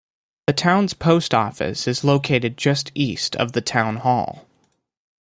The town's post office is located just east of the town hall.